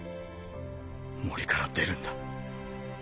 森から出るんだ。